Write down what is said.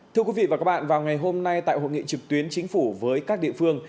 thưa quý vị và các bạn vào ngày hôm nay tại hội nghị trực tuyến chính phủ với các địa phương